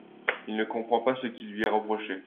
Il ne comprend pas ce qui lui est reproché.